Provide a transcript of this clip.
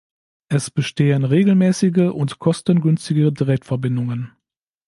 Es bestehen regelmäßige und kostengünstige Direktverbindungen.